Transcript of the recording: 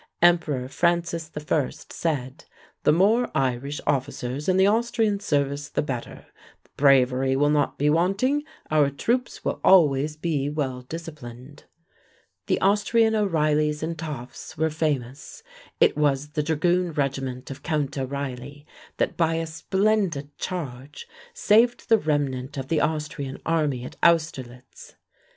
Emperor Francis I. said: "The more Irish officers in the Austrian service the better; bravery will not be wanting; our troops will always be well disciplined." The Austrian O'Reillys and Taaffes were famous. It was the dragoon regiment of Count O'Reilly that by a splendid charge saved the remnant of the Austrian army at Austerlitz.